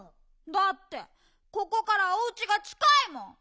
だってここからおうちがちかいもん！